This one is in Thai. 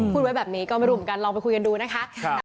พูดไว้แบบนี้ก็ไม่รู้เหมือนกันลองไปคุยกันดูนะคะ